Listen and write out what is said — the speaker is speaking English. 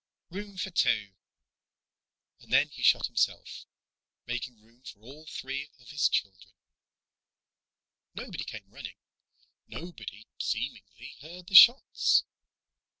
Room for two." And then he shot himself, making room for all three of his children. Nobody came running. Nobody, seemingly, heard the shots.